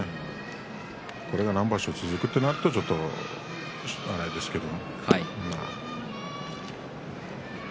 これが何場所も続くとちょっとあれですけれど。